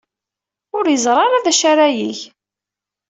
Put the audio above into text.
Ur yeẓri ara d acu ara yeg.